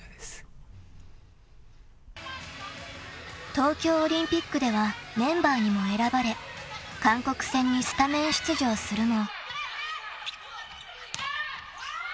［東京オリンピックではメンバーにも選ばれ韓国戦にスタメン出場するも］